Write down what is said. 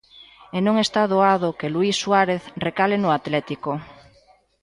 E non está doado que Luís Suárez recale no Atlético.